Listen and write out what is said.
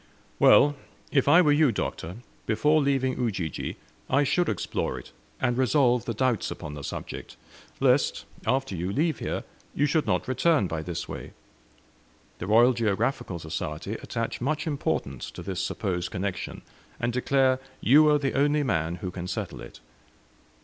"Well, if I were you, Doctor, before leaving Ujiji, I should explore it, and resolve the doubts upon the subject; lest, after you leave here, you should not return by this way. The Royal Geographical Society attach much importance to this supposed connection, and declare you are the only man who can settle it.